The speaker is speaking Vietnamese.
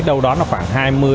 đâu đó khoảng hai mươi ba mươi